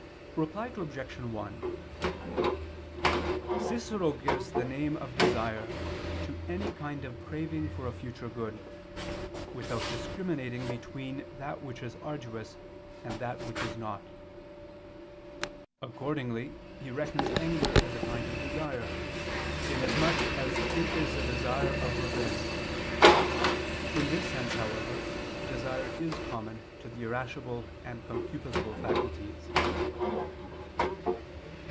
Reply Obj. 1: Cicero gives the name of desire to any kind of craving for a future good, without discriminating between that which is arduous and that which is not. Accordingly he reckons anger as a kind of desire, inasmuch as it is a desire of vengeance. In this sense, however, desire is common to the irascible and concupiscible faculties.